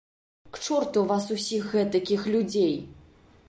К чорту вас усіх гэтакіх людзей!